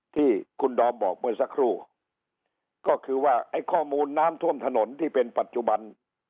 ที่คุณดอมบอกเมื่อสักครู่ก็คือว่าไอ้ข้อมูลน้ำท่วมถนนที่เป็นปัจจุบัน